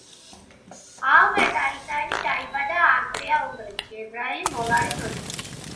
ალბერტ ერენშტაინი დაიბადა ავსტრია-უნგრეთში, ებრაელი მოლარის ოჯახში.